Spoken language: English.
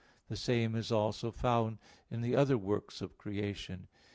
The same is also found in the other works of creation.